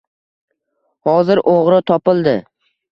Hozir o‘g‘ri topildi